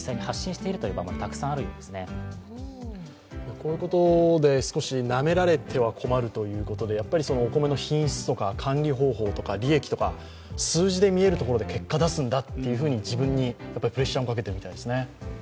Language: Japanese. こういうことで少しなめられては困るということでやっぱりお米の品質とか管理方法とか利益とか数字で見えるところで結果出すんだって自分にプレッシャーもかけているみたいですね。